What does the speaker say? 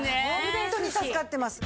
ホントに助かってます。